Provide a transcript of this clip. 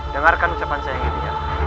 dengarkan ucapan saya yang ini ya